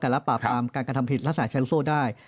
การรับปรากฏศาสตราบล้าทิสลัดชัยรู้ส้อได้